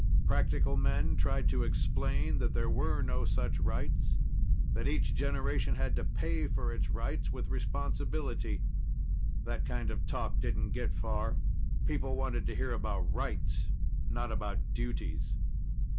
Practical men tried to explain that there were no such rights that each generation had to pay for its rights with responsibility. That kind of talk didn't get far. People wanted to hear about rights, not about duties.